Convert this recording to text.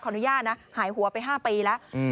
อนุญาตนะหายหัวไป๕ปีแล้ว